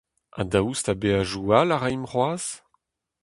Ha daoust ha beajoù all a raimp c'hoazh ?